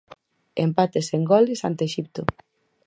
Empate sen goles ante Exipto.